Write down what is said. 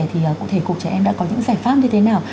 thì cụ thể cục trẻ em đã có những giải pháp như thế nào